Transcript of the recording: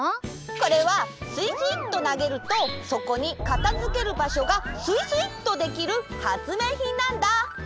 これはスイスイっとなげるとそこにかたづけるばしょがスイスイっとできる発明品なんだ！